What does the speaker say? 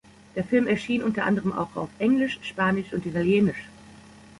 Der Film erschien unter anderem auch auf Englisch, Spanisch und Italienisch.